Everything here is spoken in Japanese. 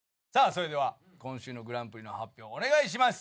それでは今週のグランプリの発表をお願いします。